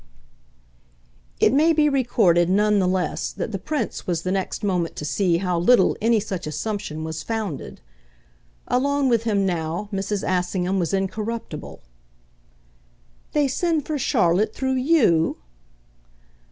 XV It may be recorded none the less that the Prince was the next moment to see how little any such assumption was founded. Alone with him now Mrs. Assingham was incorruptible. "They send for Charlotte through YOU?"